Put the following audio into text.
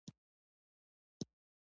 نن مې زاړه کتابونه صندوق ته واچول.